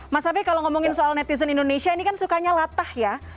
mas abe kalau ngomongin soal netizen indonesia ini kan sukanya latah ya